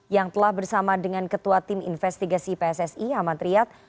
yang telah bersama dengan ketua tim investigasi pssi ahmad riyad